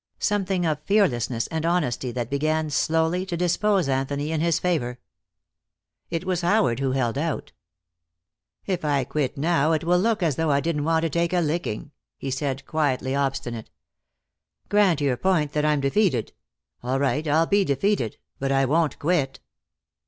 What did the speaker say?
Something of fearlessness and honesty that began, slowly, to dispose Anthony in his favor. It was Howard who held out. "If I quit now it will look as though I didn't want to take a licking," he said, quietly obstinate. "Grant your point, that I'm defeated. All right, I'll be defeated but I won't quit."